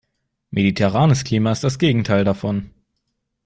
Mediterranes Klima ist das Gegenteil davon.